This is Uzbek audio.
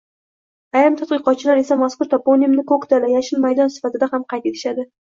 Ayrim tadqiqotchilar esa mazkur toponimni Ko‘k dala – yashil maydon sifatida ham qayd etishadi.